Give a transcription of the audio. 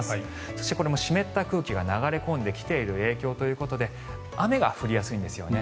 そして湿った空気が流れ込んできている影響ということで雨が降りやすいんですよね。